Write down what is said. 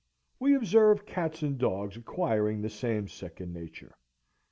We observe cats and dogs acquiring the same second nature.